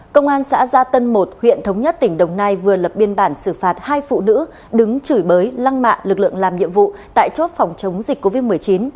công an xã gia tân một huyện thống nhất tỉnh đồng nai vừa lập biên bản xử phạt hai phụ nữ đứng chửi bới lăng mạ lực lượng làm nhiệm vụ tại chốt phòng chống dịch covid một mươi chín